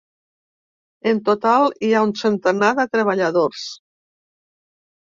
En total, hi ha un centenar de treballadors.